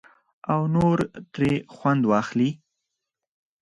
او نور ترې خوند واخلي.